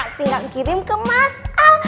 sering gak kirim ke mas al